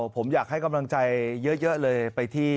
ผมอยากให้กำลังใจเยอะเลยไปที่